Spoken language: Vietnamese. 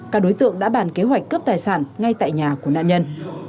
các đối tượng đã bàn kế hoạch cướp tài sản ngay tại nhà của nạn nhân